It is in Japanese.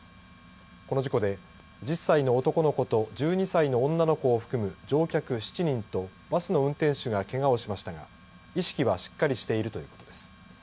この事故で１０歳の男の子と１２歳の女の子を含む乗客７人とバスの運転手がけがをしましたが意識はしっかりしているということです。